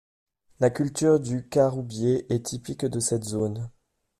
La culture du caroubier est typique de cette zone.